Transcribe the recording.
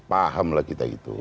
pahamlah kita itu